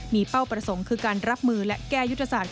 มีเป้าประสงค์คือการรับมือและแก้ยุทธศาสต